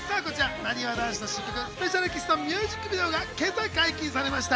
なにわ男子の新曲『ＳｐｅｃｉａｌＫｉｓｓ』のミュージックビデオが今朝解禁されました。